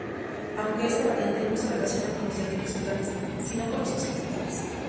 Aunque esta variante no se relaciona con los dialectos centrales, sino con los occidentales.